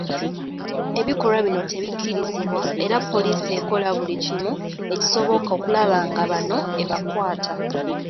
Ebikolwa bino tebikkirizibwa era poliisi ekola bulikimu ekisoboka okulaba nga bano ebakwata.